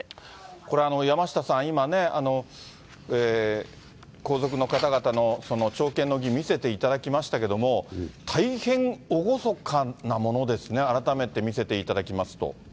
これ、山下さん、今ね、皇族の方々の朝見の儀、見せていただきましたけども、大変厳かなものですね、改めて見せていただきますと。